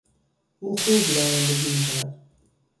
او خوب رانندگی میکند.